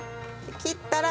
切ったら。